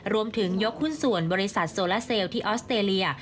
ยกหุ้นส่วนบริษัทโซลาเซลที่ออสเตรเลีย